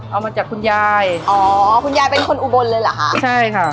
เอามาจากคุณยายอ๋อคุณยายเป็นคนอุบลเลยเหรอคะใช่ค่ะ